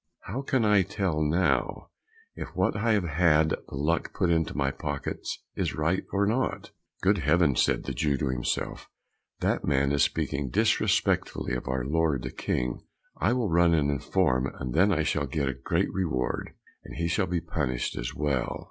How can I tell now if what I have had the luck to put in my pockets is right or not?" "Good heavens!" said the Jew to himself, "that man is speaking disrespectfully of our lord the King, I will run and inform, and then I shall get a reward, and he will be punished as well."